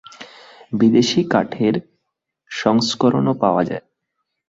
বিদেশী কাঠের সংস্করণও পাওয়া যায়।